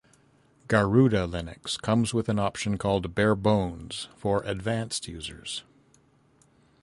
Garuda Linux comes with an option called Barebones for advanced users.